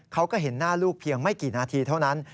เขาก็เห็นหน้าลูกเพียงไม่กี่นาทีเท่านั้น